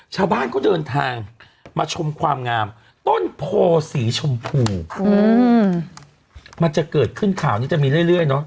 ชาวบ้านเขาเดินทางมาชมความงามต้นโพสีชมพูมันจะเกิดขึ้นข่าวนี้จะมีเรื่อยเนอะ